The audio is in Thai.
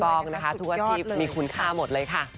ต้องนะคะทุกอาชีพมีคุณค่าหมดเลยค่ะ